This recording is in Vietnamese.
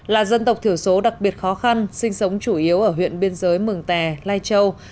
là dân tộc thiểu số đặc biệt khó khăn sinh sống chủ yếu ở huyện biên giới mường tè lai châu